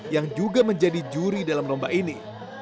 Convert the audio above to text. yang juga menjadi juri dalam lomba ini